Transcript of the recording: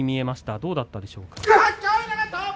どうだったでしょうか？